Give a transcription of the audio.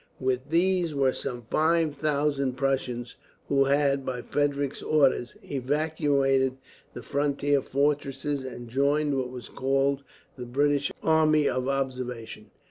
With these were some 5000 Prussians; who had, by Frederick's orders, evacuated the frontier fortresses and joined what was called the British army of observation.